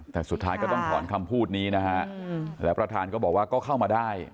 แต่สุดท้ายก็ต้องถอนคำพูดนี้นะฮะแล้วประธานก็บอกว่าก็เข้ามาได้